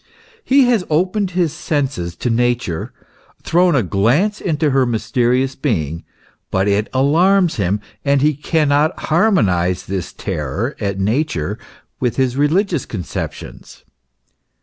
He has opened his senses to Nature, thrown a glance into her mysterious being; but it alarms him; and he cannot harmonize this terror at Nature with his religious conceptions.